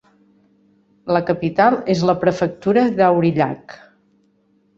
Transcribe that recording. La capital és la prefectura d'Aurillac.